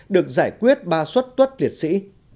được giải quyết ba suất tuất liệt sĩ